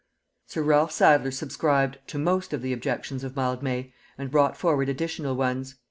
Sir Ralph Sadler subscribed to most of the objections of Mildmay, and brought forward additional ones.